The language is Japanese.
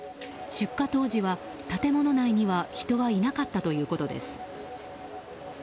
出火当時は、建物内には人はいなかったということです。